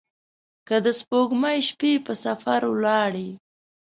که د سپوږمۍ شپې په سفر ولاړي